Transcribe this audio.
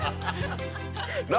◆何？